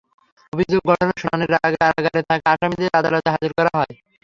অভিযোগ গঠনের শুনানির আগে কারাগারে থাকা আসামিদের আদালতে হাজির করা হয়।